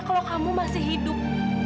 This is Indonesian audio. kalau kamu masih hidup